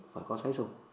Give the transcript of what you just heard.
phải có sái sùng